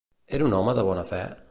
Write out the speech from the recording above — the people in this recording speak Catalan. Era un home de bona fe?